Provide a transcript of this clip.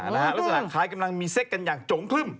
รู้สึกว่าคายกำลังมีเซ็กกันอย่างโจ๋งคลึ้ม